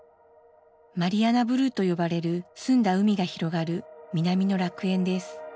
マリアナブルーと呼ばれる澄んだ海が広がる南の楽園です。